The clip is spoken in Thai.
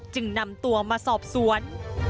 จึงนำตัวมาสอบสวน